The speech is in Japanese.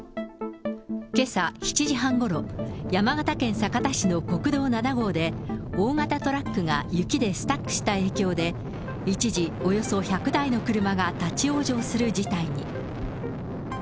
けさ７時半ごろ、山形県酒田市の国道７号で、大型トラックが雪でスタックした影響で、一時およそ１００台の車が立往生する事態に。